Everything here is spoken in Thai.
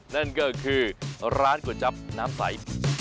นั่นก็คือร้านก๋วยจับน้ำใส